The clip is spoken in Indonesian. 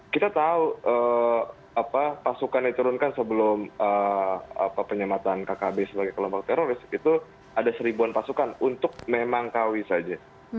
kita tahu pasukan yang diturunkan sebelum penyematan kkb sebagai kelompok teroris itu ada seribuan pasukan untuk memangkawi saja